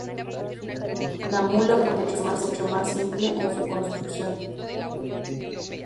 La 'mula' podía ser mucho más simple en su construcción.